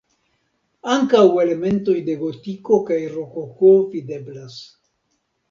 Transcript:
Ankaŭ elementoj de gotiko kaj rokoko videblas.